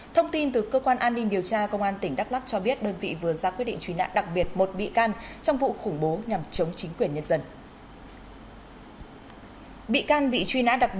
thông tin từ cơ quan an ninh điều tra công an tỉnh đắk lắc cho biết đơn vị vừa ra quyết định truy nã đặc biệt một bị can trong vụ khủng bố nhằm chống chính quyền nhân dân